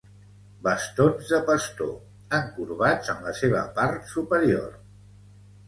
Bastons de pastor, encorbats en la seva part superior.